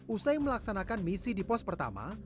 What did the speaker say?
usai melaksanakan misi di pos pertama